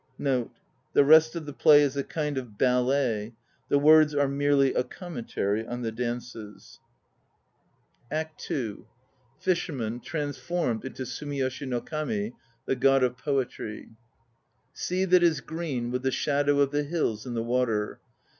[The rest of the play u a kind of "bailer; the words arc merely a com mentary on the dance*.] 214 THE NO PLAYS OF JAPAN ACT II. FISHERMAN (transformed into SUMIYOSHI NO KAMI, the God of Poetry). Sea that is green with the shadow of the hills in the water!